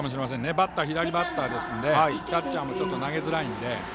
バッターが左バッターですのでちょっと投げづらいので。